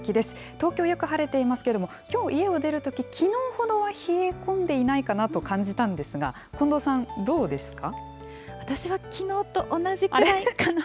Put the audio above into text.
東京、よく晴れていますけれども、きょう、家を出るとき、きのうほどは冷え込んでいないかなと感じたんですが、近藤さん、どうです私はきのうと同じくらいかな。